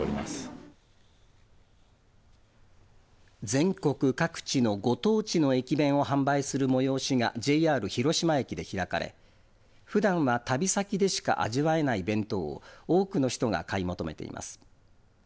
全国各地のご当地の駅弁を販売する催しがＪＲ広島駅で開かれふだんは旅先でしか味わえない弁当を多くの人が買い求めています。